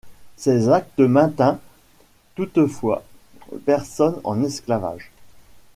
Cet acte maintint toutefois personnes en esclavage.